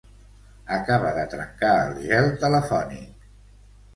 Acaba de trencar el gel telefònic.